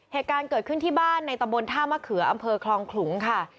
เหตุการณ์เกิดขึ้นที่บ้านในตำบลท่ามะเขืออำเภอคลองขลุงค่ะ